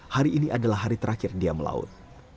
hari ini adalah hari terakhir dia melaut